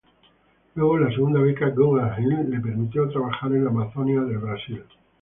Luego, la segunda beca Guggenheim, le permitió trabajar en la Amazonía del Brasil.